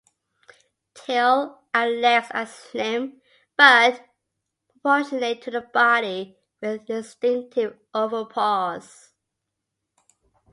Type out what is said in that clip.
Tail and legs are slim but proportionate to the body, with distinctive oval paws.